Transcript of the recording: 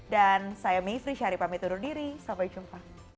dan saya mie vriesyari pamit undur diri sampai jumpa